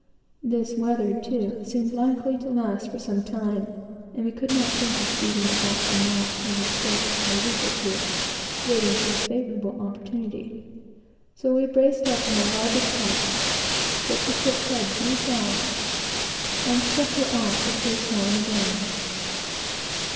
This weather, too, seemed likely to last for some time, and we could not think of beating about the mouth of the straits for a week or two, waiting for a favorable opportunity; so we braced up on the larboard tack, put the ship's head due south, and struck her off for Cape Horn again.